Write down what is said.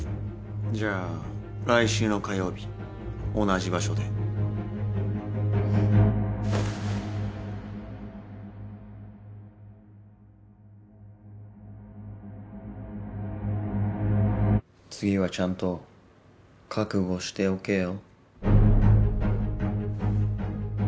じゃあ来週の火曜日同じ場所で次はちゃんと覚悟しておけよ